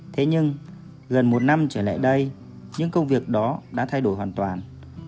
thế nhưng gần một năm trở lại đây những công việc đó đã thay đổi hoàn toàn